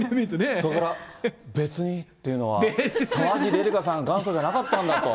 それから、別にっていうのは、沢尻エリカさんが元祖じゃなかったんだと。